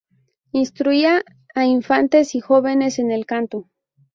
Instruía a infantes y jóvenes en el canto.